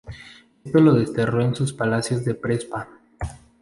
Esto lo desterró en sus palacios de Prespa.